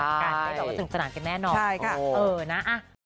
ได้แบบว่าถึงสนานกันแน่นอนเออนะเออใช่ค่ะ